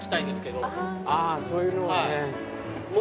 あそういうのね。